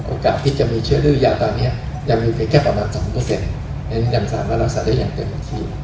โอกาสที่จะมีแค่เชื้อดื่วยาอย่างอีกก็แค่ประมาณขึ้นกับ๒กิโลกราหลุงธาน